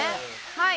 はい。